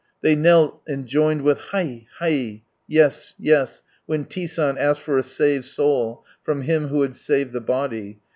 They knelt and joined with " Hai ! hai !" Yes, yes ! when T. San asked for a saved soul, from Him who had saved the body.